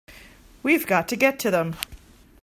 We've got to get to them!